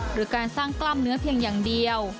หรือการสร้างกล้ามเนื้อเพียงอย่างเดียว